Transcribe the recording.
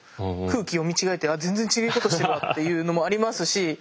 空気読み違えてあっ全然違うことしてるわっていうのもありますし。